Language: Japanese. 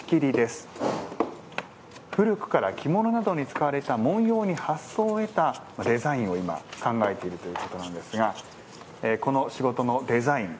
古くから着物などに使われた文様に発想を得たデザインを今考えているということなんですがこの仕事のデザイン